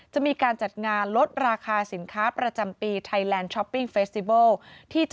จะมีการจัดงานลดราคาสินค้าประจำปี